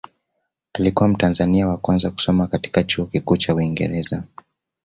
Alikuwa mtanzania wa kwanza kusoma katika chuo kikuu cha Uingereza